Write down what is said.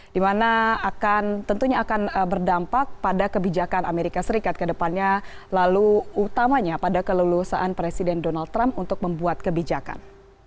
dimana akan tentunya akan berdampak pada kebijakan amerika serikat ke depannya lalu utamanya pada kelulusan presiden donald trump untuk membuat kebijakan